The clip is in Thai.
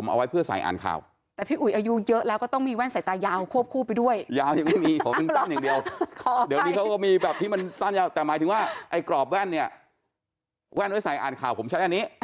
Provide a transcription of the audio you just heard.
มีแบบที่มันสั้นยาวแต่หมายถึงว่าไอ้กรอบแว่นเนี่ยแว่นไว้ใส่อันข่าวผมใช้แบบนี้